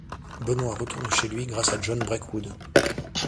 Benoît retourne chez lui grâce à John Breakwood.